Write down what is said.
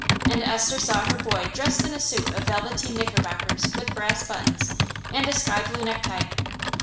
And Esther saw her boy dressed in a suit of velveteen knickerbockers with brass buttons, and a sky blue necktie.